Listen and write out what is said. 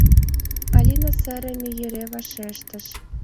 — Алина сырыме йӧре вашештыш.